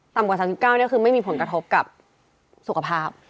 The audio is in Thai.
กว่า๓๙นี่คือไม่มีผลกระทบกับสุขภาพ